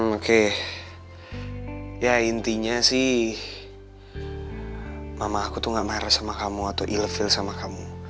oke ya intinya sih mama aku tuh gak marah sama kamu atau elevel sama kamu